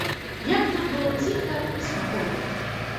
Як тут было ціха і спакойна!